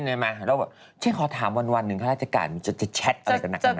แล้วแบบขอถามวันนึงว่าคราชกาลจะแชตอะไรขนาดนั้น